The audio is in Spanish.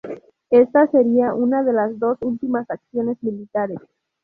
Esta sería una de sus últimas acciones militares.